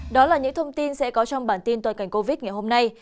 đó là những thông tin sẽ có trong bản tin toàn cảnh covid ngày hôm nay